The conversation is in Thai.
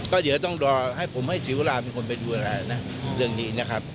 ก็เดี๋ยวต้องดอให้ผมให้ศิลป์เวลามีคนไปดูอ่ะค่ะนะเรื่องนี้นะครับ